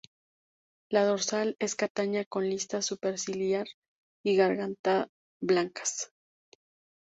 La dorsal es castaña con lista superciliar y garganta blancas.